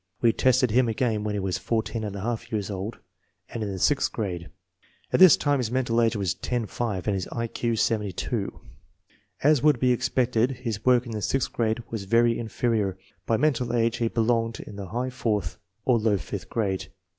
We tested him again when he was 14 J years old and in the sixth grade. At this time his mental age was 10 5 and his I Q 72. As would be expected, his work in the sixth grade was very inferior. By mental age he belonged in the high fourth or low fifth grade.